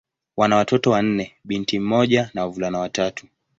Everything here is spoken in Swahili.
Wana watoto wanne: binti mmoja na wavulana watatu.